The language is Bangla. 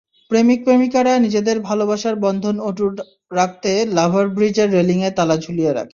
প্রেমিক-প্রেমিকারা নিজেদের ভালোবাসার বন্ধন অটুট রাখতে লাভার ব্রিজের রেলিংয়ে তালা ঝুলিয়ে রাখে।